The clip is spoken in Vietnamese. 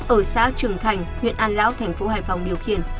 ở xã trường thành huyện an lão tp hải phòng điều khiển